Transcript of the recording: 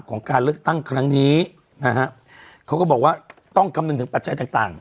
การเลือกตั้งครั้งนี้นะฮะเขาก็บอกว่าต้องคำนึงถึงปัจจัยต่างต่าง